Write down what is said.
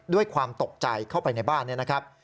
ด้วยความตกใจเข้าไปในบ้าน